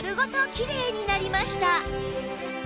きれいになりました